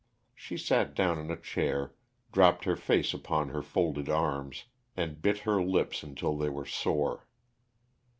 She sat down in a chair, dropped her face upon her folded arms, and bit her lips until they were sore.